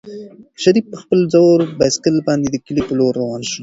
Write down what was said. شریف په خپل زوړ بایسکل باندې د کلي په لور روان شو.